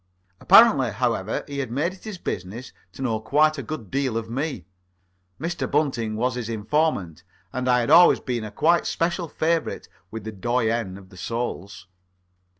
Apparently, however, he had made it his business to know quite a good deal of me. Mr. Bunting was his informant, and I had always been a quite special favourite of the doyen of the Soles.